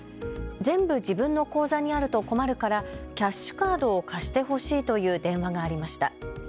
全部自分の口座にあると困るからキャッシュカードを貸してほしいという電話がありました。